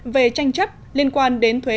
về tranh chấp liên quan đến thuế